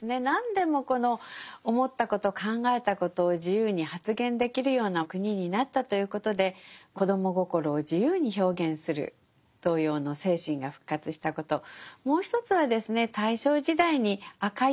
何でもこの思ったこと考えたことを自由に発言できるような国になったということで子ども心を自由に表現する童謡の精神が復活したこと。